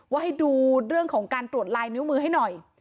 ว่าให้ดูเรื่องของการตรวจลายนิ้วมือให้หน่อย